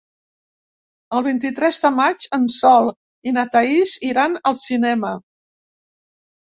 El vint-i-tres de maig en Sol i na Thaís iran al cinema.